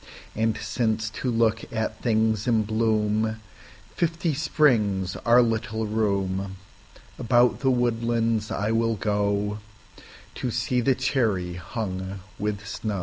And since to look at things in bloomFifty springs are little room, About the woodlands I will goTo see the cherry hung with snow.